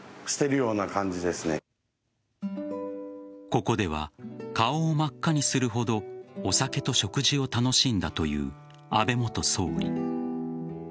ここでは顔を真っ赤にするほどお酒と食事を楽しんだという安倍元総理。